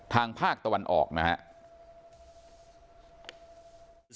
ทางภาคตะวันออกนะครับ